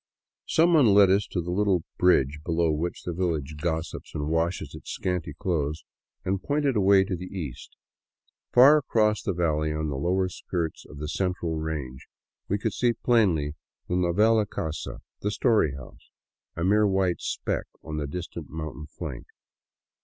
Some one led us to the little bridge below which the village gossips 77 VAGABONDING DOWN THE ANDES and washes its scanty clothes, and pointed away to the east. Far across the valley, on the lower skirts of the central range, we could see plainly the " novela casa "—'* the story house," a mere white speck on the distant mountain flank.